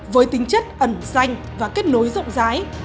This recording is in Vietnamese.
với tính chất ẩn danh và kết nối rộng rái